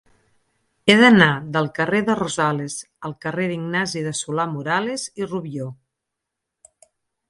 He d'anar del carrer de Rosales al carrer d'Ignasi de Solà-Morales i Rubió.